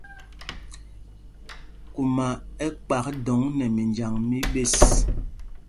Kuma ɛ kpak dɔŋ nɛ minjaŋ mí ɓes.